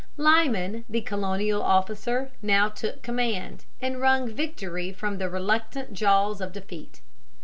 Lyman, the Colonial officer now took command, and wrung victory from the reluctant jaws of defeat.